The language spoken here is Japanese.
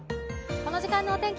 この時間のお天気